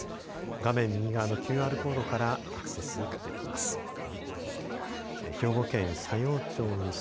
画面右側のＱＲコードからアクセスできます。